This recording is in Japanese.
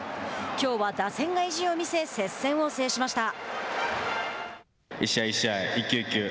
きょうは打線が意地を見せ接戦を制しました。